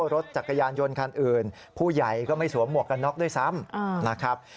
รถจักรยานยนต์คันอื่นผู้ใหญ่ก็ไม่สวมหมวกกันน็อกด้วยซ้ำนะครับ